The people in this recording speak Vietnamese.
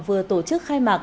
vừa tổ chức khai mạc